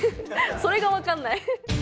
それが分からない。